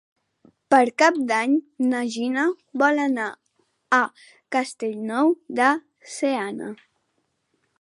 Per Cap d'Any na Gina vol anar a Castellnou de Seana.